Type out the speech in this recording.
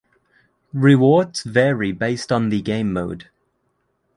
Rewards vary based on the game mode.